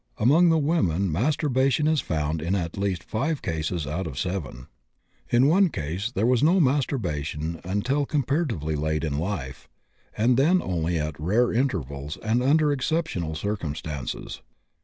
Among the women masturbation is found in at least 5 cases out of 7. In 1 case there was no masturbation until comparatively late in life, and then only at rare intervals and under exceptional circumstances.